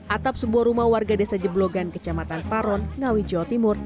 atap sebuah rumah warga desa jeblogan kecamatan paron ngawi jawa timur